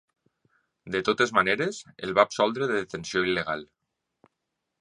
De totes maneres, el va absoldre de detenció il·legal.